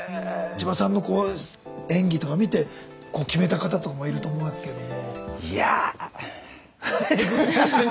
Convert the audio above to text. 千葉さんの演技とか見て決めた方とかもいると思いますけども。